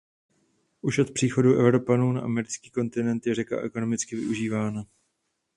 Už od příchodu Evropanů na americký kontinent je řeka ekonomicky využívána.